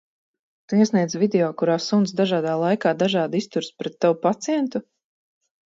Tu iesniedzi video, kurā suns dažādā laikā dažādi izturas pret tavu pacientu?